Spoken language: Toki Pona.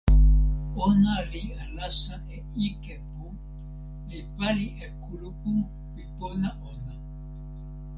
ona li alasa e ike pu, li pali e kulupu pi pona ona.